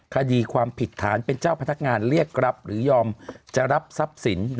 คดีความผิดฐานเป็นเจ้าพนักงานเรียกรับหรือยอมจะรับทรัพย์สิน